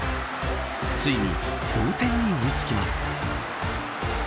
ついに同点に追いつきます。